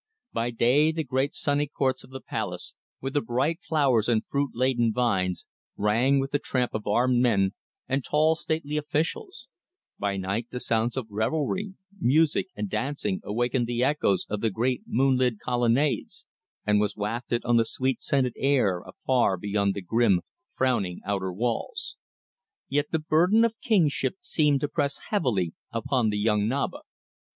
By day the great sunny courts of the palace, with the bright flowers and fruit laden vines, rang with the tramp of armed men and tall, stately officials; by night the sounds of revelry, music and dancing awakened the echoes of the great moon lit colonnades, and was wafted on the sweet scented air afar beyond the grim, frowning outer walls. Yet the burden of kingship seemed to press heavily upon the young Naba.